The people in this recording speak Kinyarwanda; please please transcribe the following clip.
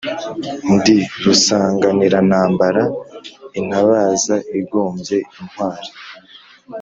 Ndi rusanganirantambara intabaza igombye intwali,